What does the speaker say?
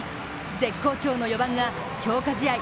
絶好調の４番が強化試合